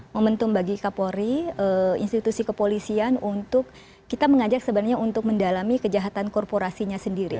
momentum bagi kapolri institusi kepolisian untuk kita mengajak sebenarnya untuk mendalami kejahatan korporasinya sendiri